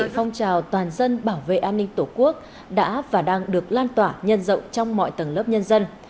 phong trào toàn dân bảo vệ an ninh tổ quốc đã và đang được lan tỏa nhân rộng trong mọi tầng lớp nhân dân